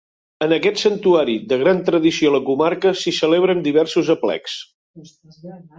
En aquest santuari, de gran tradició a la comarca, s'hi celebren diversos aplecs.